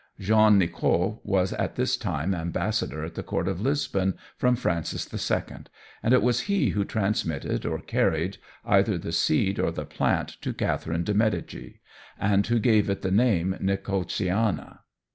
Jean Nicot was at this time Ambassador at the Court of Lisbon from Frances II, and it was he who transmitted or carried, either the seed or the plant to Catherine de Medicis, and who gave it the name Nicotiana.